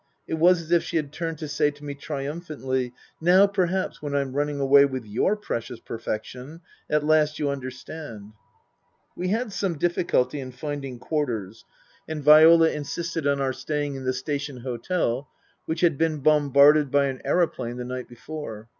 It was as if she had turned to say to me triumphantly, " Now, perhaps, when I'm running away with your precious perfection, at last you understand ?" We had some difficulty in finding quarters and Viola 288 Tasker Jevons insisted on our staying in the Station Hotel, which had been bombarded by an aeroplane the night before.